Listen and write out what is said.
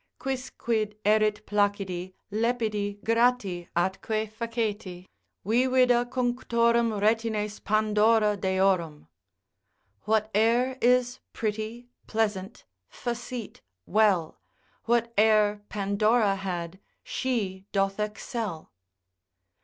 Quicquid erit placidi, lepidi, grati, atque faceti, Vivida cunctorum retines Pandora deorum. Whate'er is pretty, pleasant, facete, well, Whate'er Pandora had, she doth excel.